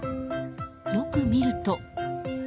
よく見ると。